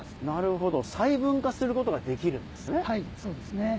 なるほど細分化することができるんですね。